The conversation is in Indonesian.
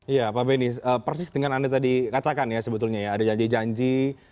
iya pak benny persis dengan anda tadi katakan ya sebetulnya ya ada janji janji